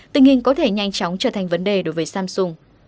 tình hình có thể nhanh chóng trở thành vấn đề đối với samsung